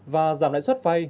và giảm lại suất vai